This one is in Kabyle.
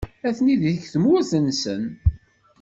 Atni deg tmurt-nsen.